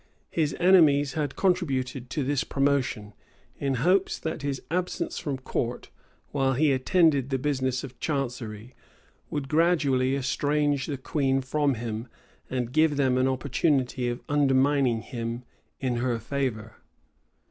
His enemies had contributed to this promotion, in hopes that his absence from court, while he attended the business of chancery, would gradually estrange the queen from him, and give them an opportunity of undermining him in her favor.